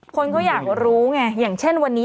คนก็อยากรู้ไงอย่างเช่นวันนี้